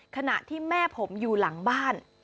ขณะที่แม่ผมอยู่หลังบ้าน